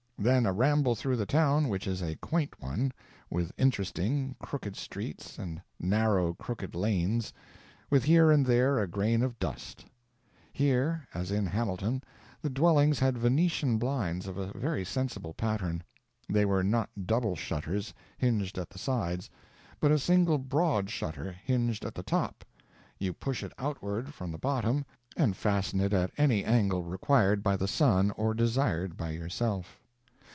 Then a ramble through the town, which is a quaint one, with interesting, crooked streets, and narrow, crooked lanes, with here and there a grain of dust. Here, as in Hamilton, the dwellings had Venetian blinds of a very sensible pattern. They were not double shutters, hinged at the sides, but a single broad shutter, hinged at the top; you push it outward, from the bottom, and fasten it at any angle required by the sun or desired by yourself.